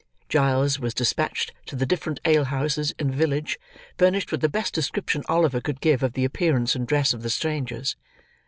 Giles was dispatched to the different ale houses in the village, furnished with the best description Oliver could give of the appearance and dress of the strangers.